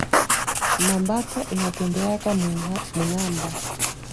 Ma mbata inatembeaka mu namba